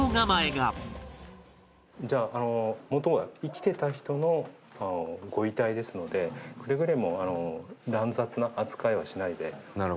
じゃあ元は生きてた人のご遺体ですのでくれぐれも乱雑な扱いはしないでいただきたいと思います。